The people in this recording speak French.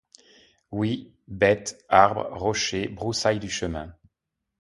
Oui, bête, arbre, rocher, broussaille du chemin